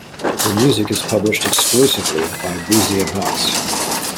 Her music is published exclusively by Boosey and Hawkes.